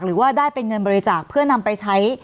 หรือว่าได้เป็นเงินบริจาคเพื่อนำไปใช้